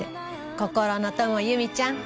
心の友由美ちゃん